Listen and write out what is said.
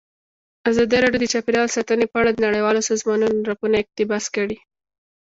ازادي راډیو د چاپیریال ساتنه په اړه د نړیوالو سازمانونو راپورونه اقتباس کړي.